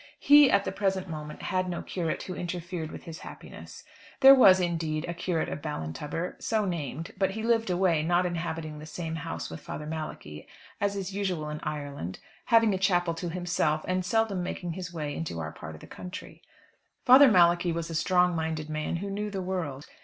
He, at the present moment, had no curate who interfered with his happiness. There was, indeed, a curate of Ballintubber so named; but he lived away, not inhabiting the same house with Father Malachi, as is usual in Ireland; having a chapel to himself, and seldom making his way into our part of the country. Father Malachi was a strong minded man, who knew the world.